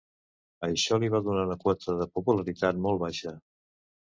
Això li va donar una quota de popularitat molt baixa.